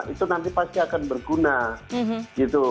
itu nanti pasti akan berguna gitu